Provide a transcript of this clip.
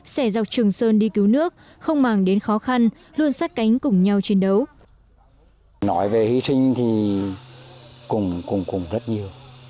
sẻ dọc trường sơn đi cứu nước không màng đến khó khăn luôn sát cánh cùng nhau chiến đấu